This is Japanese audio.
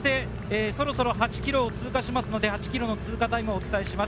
そしてそろそろ８キロ通過しますので、８キロの通過タイムをお伝えします。